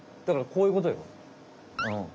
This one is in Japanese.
だからこういうことよ。